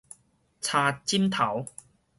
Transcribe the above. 柴枕頭